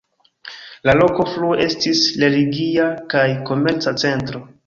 La loko frue estis religia kaj komerca centro.